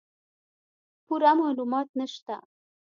پوره معلومات نشته